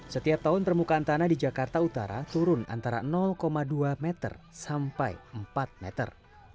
setiap tahun permukaan tanah di jakarta utara turun antara dua meter sampai empat meter